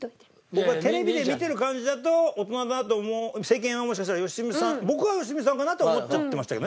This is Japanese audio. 僕はテレビで見てる感じだと大人だなと思う世間はもしかしたら良純さん僕は良純さんかなとは思っちゃってましたけどね。